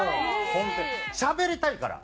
しゃべりたいから。